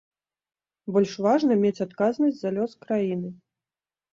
Больш важна мець адказнасць за лёс краіны.